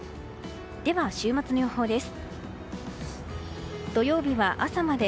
では週末の予報です。